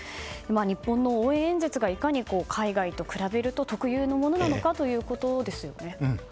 日本の応援演説がいかに海外と比べると特有のものなのかということですよね。